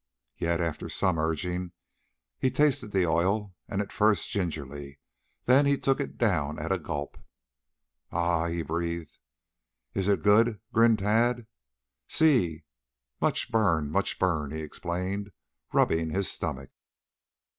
Yet after some urging he tasted of the oil, at first gingerly; then he took it down at a gulp. "Ah!" he breathed. "Is it good?" grinned Tad. "Si. Much burn, much burn," he explained, rubbing his stomach.